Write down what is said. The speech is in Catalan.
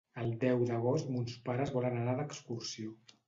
El deu d'agost mons pares volen anar d'excursió.